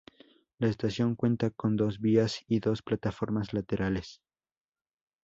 La estación cuenta con dos vías y dos plataformas laterales.